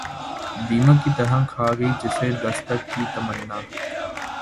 دیمک کی طرح کھا گئی جسے دستک کی تمنا